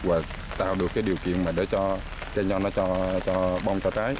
và tạo được điều kiện để cho cây nho bông cho trái